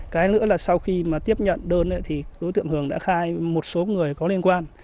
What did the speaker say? cái nữa là sau khi mà tiếp nhận đơn thì đối tượng hường đã khai một số người có liên quan